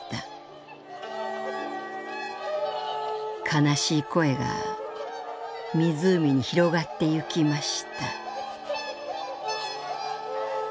「悲しい声が湖に広がってゆきました」。